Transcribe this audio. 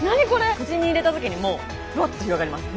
口に入れた時にもうバッと広がります。